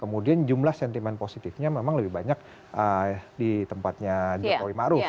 kemudian jumlah sentimen positifnya memang lebih banyak di tempatnya jokowi ma'ruf